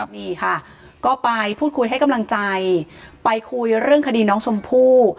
นี่ค่ะก็ไปพูดคุยให้กำลังใจไปคุยเรื่องคดีน้องชมพู่